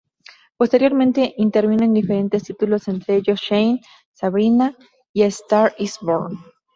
Posteriormente intervino en diferentes títulos, entre ellos "Shane", "Sabrina", y "A Star is Born".